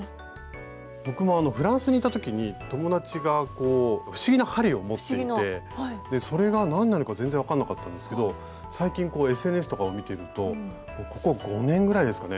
僕もフランスにいた時に友達が不思議な針を持っていてそれが何なのか全然分かんなかったんですけど最近ＳＮＳとかを見てるとここ５年ぐらいですかね